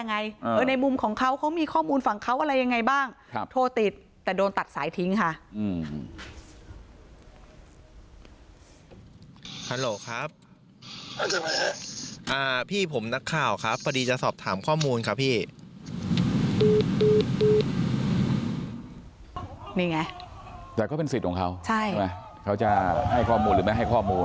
นี่ไงแต่ก็เป็นสิทธิ์ของเขาใช่ไหมเขาจะให้ข้อมูลหรือไม่ให้ข้อมูล